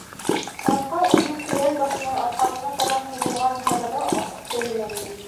Ҡартҡа уның көрән башынан арҡаһына табан һуҙылған һыҙығы асыҡ күренә ине.